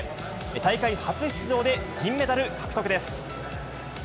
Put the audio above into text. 大会初出場で銀メダル獲得です。